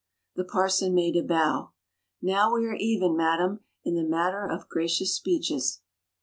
The parson made a bow. "Now we are even, madam, in the matter of gracious speeches."